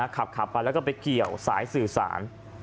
ขับไปแล้วก็ไปเกี่ยวสายสื่อสาร